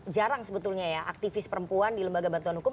jarang sebetulnya ya aktivis perempuan di lembaga bantuan hukum